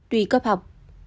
tùy cấp học